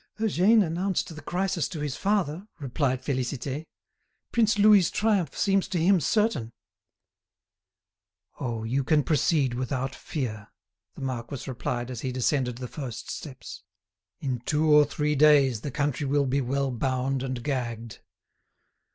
"Eugène announced the crisis to his father," replied Félicité. "Prince Louis's triumph seems to him certain." "Oh, you can proceed without fear," the marquis replied, as he descended the first steps. "In two or three days the country will be well bound and gagged.